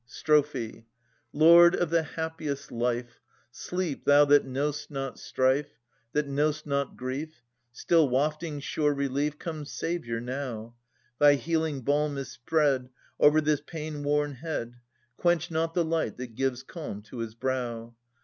Strophe. Lord of the happiest life, Sleep, thou that know'st not strife, That know'st not grief. Still wafting sure relief. Come, saviour, now! Thy healing balm is spread Over this pain worn head ; Quench not the light that gives calm to his brow.